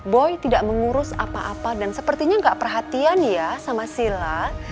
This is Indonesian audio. boy tidak mengurus apa apa dan sepertinya nggak perhatian ya sama sila